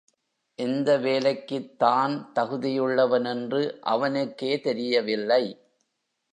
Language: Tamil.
எந்த வேலைக்குத் தான் தகுதியுள்ளவன் என்று அவனுக்கே தெரியவில்லை.